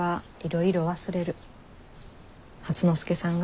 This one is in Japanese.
初之助さんが。